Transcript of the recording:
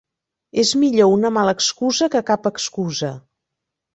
És millor una mala excusa que cap excusa.